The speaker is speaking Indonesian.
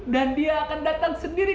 dan dia akan datang sendiri